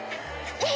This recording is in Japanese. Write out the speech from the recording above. えっ！？